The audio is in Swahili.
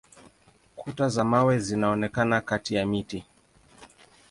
Kuta za mawe zinaonekana kati ya miti.